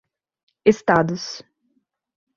Estados